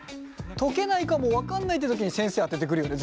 解けないかも分かんないってときに先生当ててくるよね